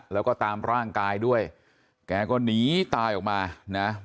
แล้วก็ตามร่างกายด้วยแกก็หนีตายออกมานะ